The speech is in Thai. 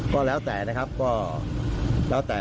ก็แล้วแต่นะครับ